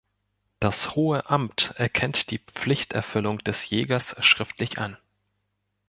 Das "hohe Amt" erkennt die Pflichterfüllung des Jägers schriftlich an.